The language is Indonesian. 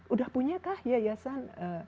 udah punya kah yayasan